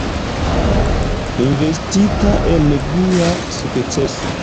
Investita en via sukceso.